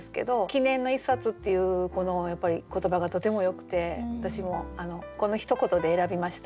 「記念の一冊」っていうこのやっぱり言葉がとてもよくて私もこのひと言で選びました。